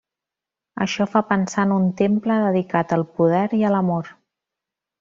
Això fa pensar en un temple dedicat al poder i a l'amor.